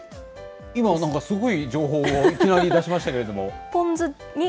今なんかすごい情報をいきなり出しましたけど。